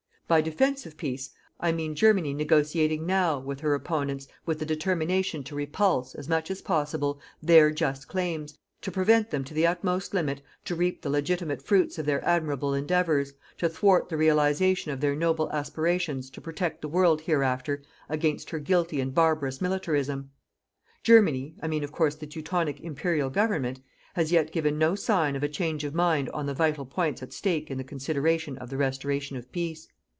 By "DEFENSIVE PEACE", I mean Germany negotiating NOW with her opponents with the determination to repulse, as much as possible, their just claims, to prevent them to the utmost limit to reap the legitimate fruits of their admirable endeavours, to thwart the realization of their noble aspirations to protect the world hereafter against her guilty and barbarous militarism. Germany I mean, of course, the Teutonic Imperial Government has yet given no sign of a change of mind on the vital points at stake in the consideration of the restoration of peace.